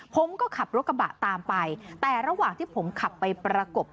ผมก็ขับรถกระบะตามไปแต่ระหว่างที่ผมขับไปประกบ